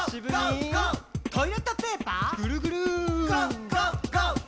「トイレットペーパーＧＯＧＯＧＯ」ぐるぐる。